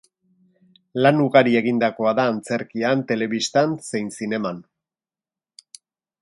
Lan ugari egindakoa da antzerkian, telebistan zein zineman.